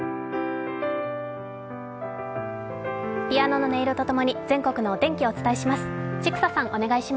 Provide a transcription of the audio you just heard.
ピアノの音色と共に全国のお天気をお伝えします。